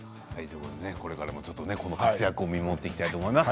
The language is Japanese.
これからも活躍を見守っていきたいと思います。